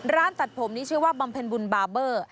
ร้านตัดผมนี้ชื่อว่าบำเพ็ญบุญบาเบอร์